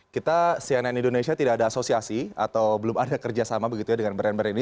kita cnn indonesia tidak ada asosiasi atau belum ada kerjasama begitu ya dengan brand brand ini